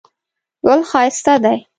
ګل ښایسته دی.